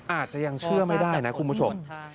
อาจจะยังเชื่อไม่ได้นะคุณผู้ชม